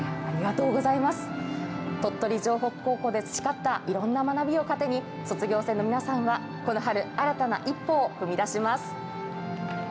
鳥取城北高等学校で培った学びをもとに卒業生の皆さんはこの春、新たな一歩を踏み出します。